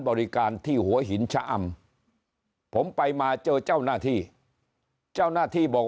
บริการที่หัวหินชะอำผมไปมาเจอเจ้าหน้าที่เจ้าหน้าที่บอก